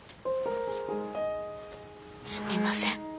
すみません。